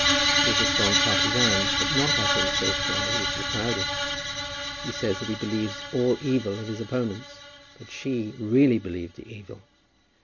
He is a strong partisan, but not, I think, so strong as Mrs. Proudie. He says that he believes all evil of his opponents; but she really believed the evil.